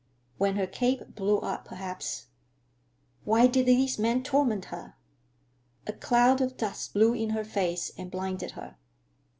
When her cape blew up, perhaps—Why did these men torment her? A cloud of dust blew in her face and blinded her.